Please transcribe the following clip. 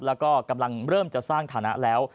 แล้วก็กำลังเริ่มจะสร้างฐานะแล้ว